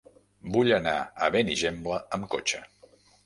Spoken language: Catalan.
Vull anar a Benigembla amb cotxe.